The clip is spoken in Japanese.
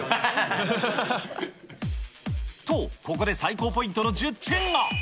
と、ここで最高ポイントの１０点が。